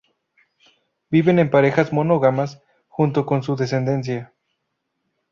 Viven en parejas monógamas junto con su descendencia.